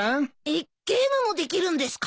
えっゲームもできるんですか？